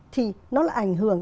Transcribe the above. thì nó là ảnh hưởng